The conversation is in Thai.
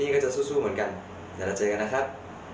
ขอบคุณกันอย่าลืมเจอกันนะครับ